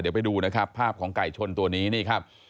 เดี๋ยวไปดูภาพของไก่ชนตัวนี้เนี้ยครับ